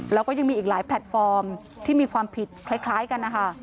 แล้วก็ยังมีอีกหลายแพลตฟอร์มที่มีความผิดคล้ายกันนะคะ